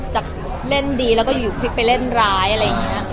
จากเล่นดีแล้วก็อยู่คลิปไปเล่นร้ายอะไรอย่างนี้